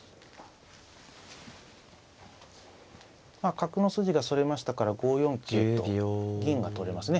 角の筋がそれましたから５四桂と銀が取れますね。